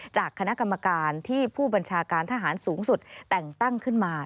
จากคณะกรรมการที่ผู้บัญชาการทหารสูงสุดแต่งตั้งขึ้นมา